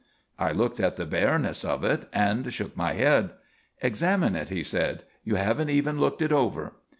I looked at the bareness of it and shook my head. "Examine it," he said. "You haven't even looked it over."